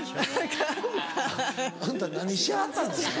あんた何しはったんですか？